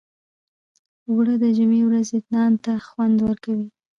اوړه د جمعې ورځې نان ته خوند ورکوي